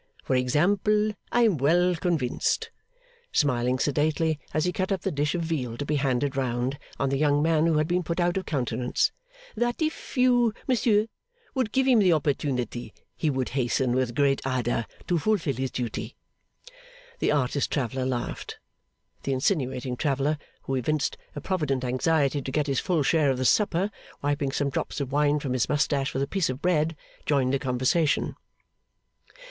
For example, I am well convinced,' smiling sedately, as he cut up the dish of veal to be handed round, on the young man who had been put out of countenance, 'that if you, Monsieur, would give him the opportunity, he would hasten with great ardour to fulfil his duty.' The artist traveller laughed. The insinuating traveller (who evinced a provident anxiety to get his full share of the supper), wiping some drops of wine from his moustache with a piece of bread, joined the conversation.